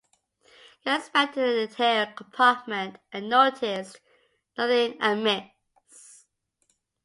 Gann inspected the tail compartment and noticed nothing amiss.